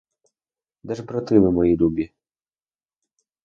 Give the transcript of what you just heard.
Де ж брати ви мої любі?